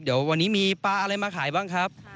เดี๋ยววันนี้มีปลาอะไรมาขายบ้างครับ